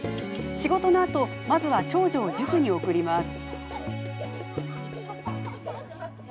仕事のあとまずは長女を塾に送ります。